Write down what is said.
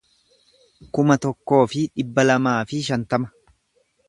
kuma tokkoo fi dhibba lamaa fi shantama